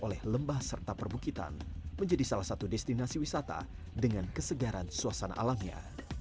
oleh lembah serta perbukitan menjadi salah satu destinasi wisata dengan kesegaran suasana alamnya